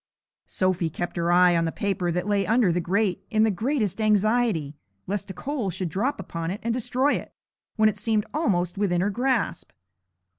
Sophy kept her eye on the paper that lay under the grate in the greatest anxiety, lest a coal should drop upon it and destroy it, when it seemed almost within her grasp.